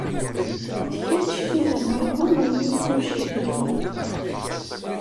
D kečč i d amɛiwen n yigujilen.